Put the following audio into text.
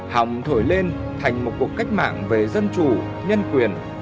hòng thổi lên thành một cuộc cách mạng về dân chủ nhân quyền